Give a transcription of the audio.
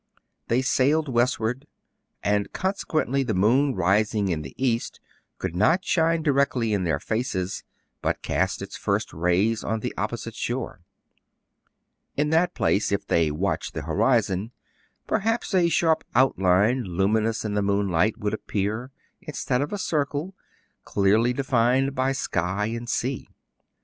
They sailed westward ; and, consequently, the moon, rising in the east, could not shine directly in their faces, but cast its first rays on the oppo site shore. In that place, if they watched the DOES NOT FINISH WELL FOR CAPT, YIN 225 horizon, perhaps a sharp outline, luminous in the moonlight, would appear, instead of a circle, clear ly defined by sky and sea.